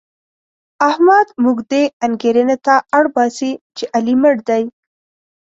احمد موږ دې انګېرنې ته اړباسي چې علي مړ دی.